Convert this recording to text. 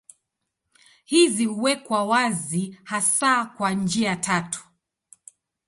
Hizi huwekwa wazi hasa kwa njia tatu.